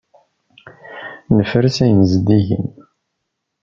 Nferres ayen zeddigen.